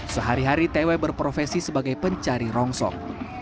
sehari hari tewi berprofesi sebagai pencari rongsok